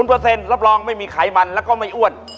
รับรองไม่มีไขมันแล้วก็ไม่อ้วน